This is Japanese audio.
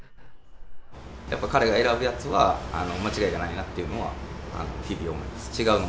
やっぱり彼が選ぶやつは間違いがないなっていうのは日々思います。